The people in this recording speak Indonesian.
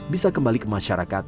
bisa kembali ke masyarakat